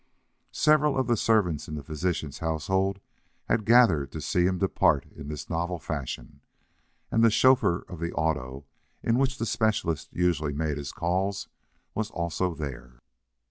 Several servants in the physician's household had gathered to see him depart in this novel fashion, and the chauffeur of the auto, in which the specialist usually made his calls, was also there.